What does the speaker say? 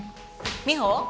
美帆？